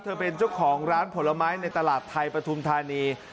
เป็นเจ้าของร้านผลไม้ในตลาดไทยปฐุมธานี